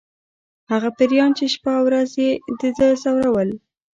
هغه پیریان چې شپه او ورځ یې د ده ځورول